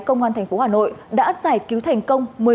công an thành phố hà nội đã giải cứu thành công